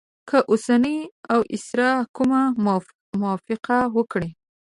که اوسنی وایسرا کومه موافقه وکړي.